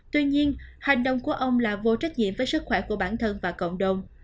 tuy nhiên hành động của ông là vô trách nhiệm với sức khỏe của bản thân và cộng đồng